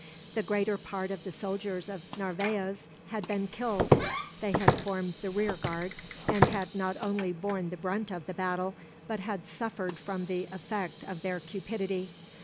The greater part of the soldiers of Narvaez had been killed. They had formed the rear guard, and had not only borne the brunt of the battle, but had suffered from the effect of their cupidity.